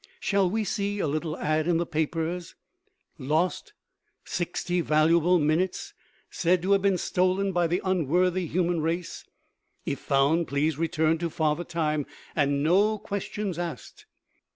Shall we see a little ad in the papers: LOST Sixty valuable minutes, said to have been stolen by the unworthy human race. If found, please return to Father Time, and no questions asked.